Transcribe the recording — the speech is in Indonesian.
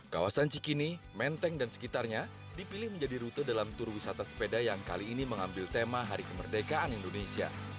kawasan cikini menteng dan sekitarnya dipilih menjadi rute dalam tur wisata sepeda yang kali ini mengambil tema hari kemerdekaan indonesia